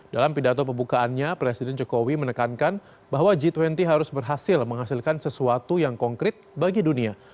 dalam pidato pembukaannya presiden jokowi menekankan bahwa g dua puluh harus berhasil menghasilkan sesuatu yang konkret bagi dunia